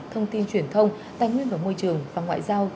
thông tin truyền thông tài nguyên và môi trường và ngoại giao